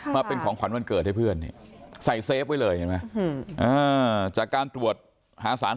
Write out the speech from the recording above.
มีของขวัญวันเกิดให้เพื่อนที่ใส่เซฟไว้เลยเห็นล่ะฮืออาจจะการตรวจหาสาร